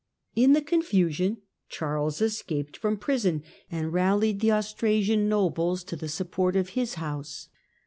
In the confusion Charles escaped from prison, and rallied the Austrasian nobles o the support of his house.